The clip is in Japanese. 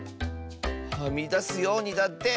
はみだすようにだって。